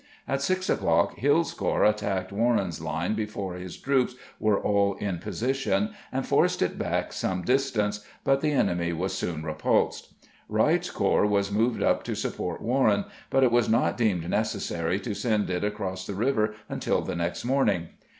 At six o'clock Hill's corps attacked War ren's line before his troops were all in position, and forced it back some distance ; but the enemy was soon repulsed. Wright's corps was moved up to support Warren, but it was not deemed necessary to send it across the river until the next morning.